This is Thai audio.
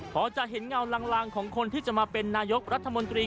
พอจะเห็นเงาลางของคนที่จะมาเป็นนายกรัฐมนตรี